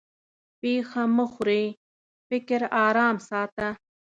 پېښه مه خورې؛ فکر ارام ساته.